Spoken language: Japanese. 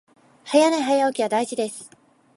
早寝早起きは大事です